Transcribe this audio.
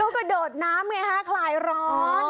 เขากระโดดน้ำไงฮะคลายร้อน